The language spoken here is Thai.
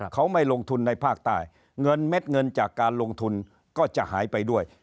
เขาไม่ลงทุนในภาคใต้เงินเม็ดเงินจากการลงทุนก็จะหายไปด้วย